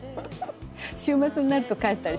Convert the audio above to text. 週末になると帰ったりして。